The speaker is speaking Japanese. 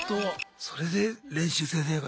それで練習生生活